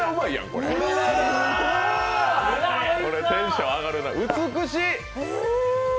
これテンション上がるな美しい！